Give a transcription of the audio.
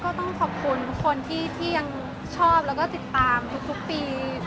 ก็ต้องขอบคุณกดที่ยังชอบและติดตามทุกปี